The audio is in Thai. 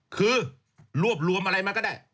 คือรวบรวมอะไรมาก็ได้